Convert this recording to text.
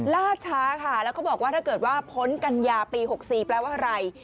ล่าช้าค่ะแล้วก็บอกว่าถ้าเกิดว่าพ้นกัญญาปี๖๔แปลว่าอะไร